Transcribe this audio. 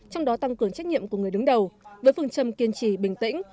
trong đó tăng cường trách nhiệm của người đứng đầu với phương châm kiên trì bình tĩnh